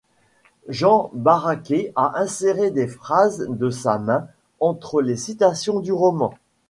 Jean Barraqué a inséré des phrases de sa main entre les citations du roman.